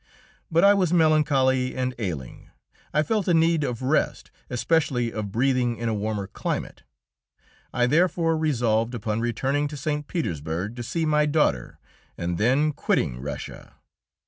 But I was melancholy and ailing; I felt a need of rest, especially of breathing in a warmer climate. I therefore resolved upon returning to St. Petersburg to see my daughter and then quitting Russia.